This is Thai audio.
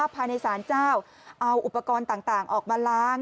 ภายในสารเจ้าเอาอุปกรณ์ต่างออกมาล้าง